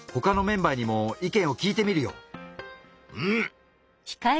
うん！